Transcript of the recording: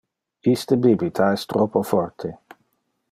Iste bibita es troppo forte.